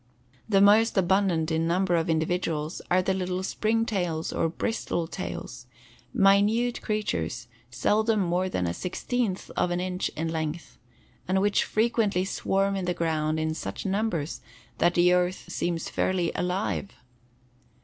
The most abundant in numbers of individuals are the little spring tails or bristle tails, minute creatures seldom more than a sixteenth of an inch in length and which frequently swarm in the ground in such numbers that the earth seems fairly alive.